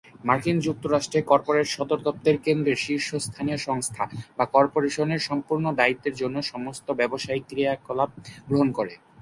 মার্কিন যুক্তরাষ্ট্রে, কর্পোরেট সদর দপ্তর কেন্দ্রের শীর্ষস্থানীয় সংস্থা বা কর্পোরেশনের সম্পূর্ণ দায়িত্বের জন্য সমস্ত ব্যবসায়িক ক্রিয়াকলাপ গ্রহণ করে।